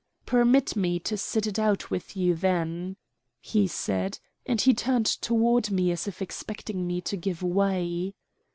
"Permit me to sit it out with you then," he said, and he turned toward me as if expecting me to give way.